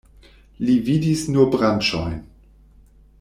Li vidis nur branĉojn.